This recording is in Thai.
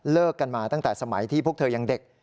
กันมาตั้งแต่สมัยที่พวกเธอยังเด็ก